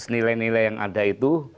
nilai nilai yang ada itu